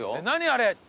あれ。